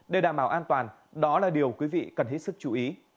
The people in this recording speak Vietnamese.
để đảm bảo an toàn đó là điều quý vị cần hết sức chú ý